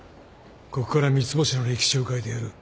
ここから三ツ星の歴史を変えてやる